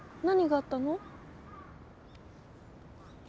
何があったの？